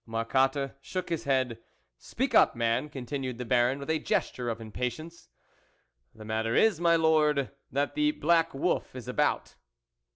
Marcotte shook his head. " Speak up, man," continued the Baron with a gesture of impatience. "The matter is, my Lord, that the black wolf is about."